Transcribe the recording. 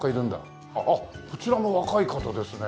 あっこちらも若い方ですね。